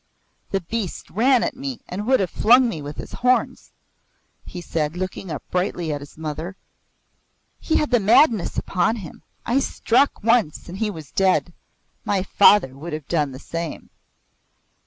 "The beast ran at me and would have flung me with his horns," he said, looking up brightly at his mother. "He had the madness upon him. I struck once and he was dead. My father would have done the same.